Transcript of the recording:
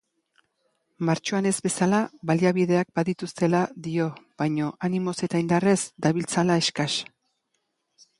Martxoan ez bezala, baliabideak badituztela dio baina animoz eta indarrez dabiltzala eskas.